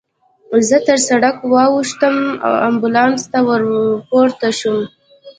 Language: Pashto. زه تر سړک واوښتم، امبولانس ته ورپورته شوم.